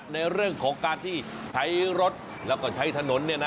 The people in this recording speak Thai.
ในเรื่องของการที่ใช้รถแล้วก็ใช้ถนน